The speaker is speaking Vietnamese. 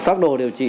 phác đồ điều trị